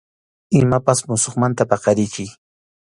Imapas musuqmanta paqarichiy.